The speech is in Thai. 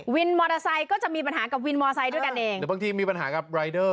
วินมอเตอร์ไซค์ก็จะมีปัญหากับวินมอไซค์ด้วยกันเองหรือบางทีมีปัญหากับรายเดอร์